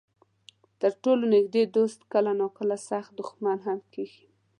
تر ټولو نږدې دوست کله ناکله سخت دښمن هم کېږي.